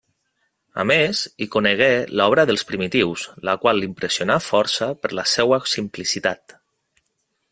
A més, hi conegué l'obra dels primitius, la qual l'impressionà força per la seua simplicitat.